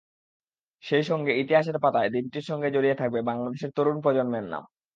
সেই সঙ্গে ইতিহাসের পাতায় দিনটির সঙ্গে জড়িয়ে থাকবে বাংলাদেশের তরুণ প্রজন্মের নাম।